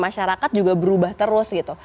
masyarakat juga berubah terus gitu